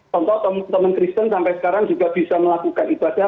contoh teman teman kristen sampai sekarang juga bisa melakukan ibadah